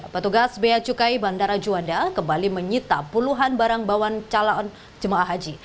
petugas bea cukai bandara juanda kembali menyita puluhan barang bawaan calon jemaah haji